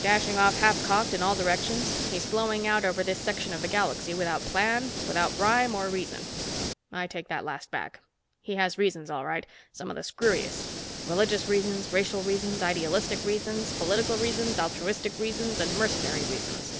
Dashing off half cocked, in all directions, he's flowing out over this section of the galaxy without plan, without rhyme or reason. I take that last back, he has reasons all right—some of the screwiest. Religious reasons, racial reasons, idealistic reasons, political reasons, altruistic reasons and mercenary reasons.